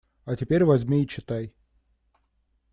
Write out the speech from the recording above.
А теперь возьми и читай.